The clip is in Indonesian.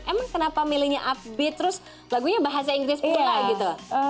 emang kenapa milihnya upbeat terus lagunya bahasa inggris pula gitu